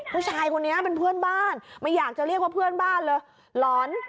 ผู้ชายคนนี้เป็นเพื่อนบ้านไม่อยากจะเรียกว่าเพื่อนบ้านเลยหลอน